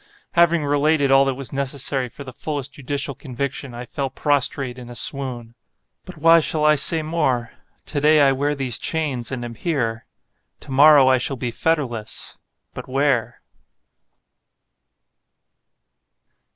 Having related all that was necessary for the fullest judicial conviction, I fell prostrate in a swoon. But why shall I say more? To day I wear these chains, and am here! To morrow I shall be fetterless!—_but where?